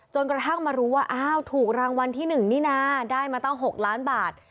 กระทั่งมารู้ว่าอ้าวถูกรางวัลที่๑นี่นะได้มาตั้ง๖ล้านบาท